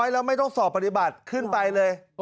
แล้วไม่ต้องสอบปฏิบัติขึ้นไปเลย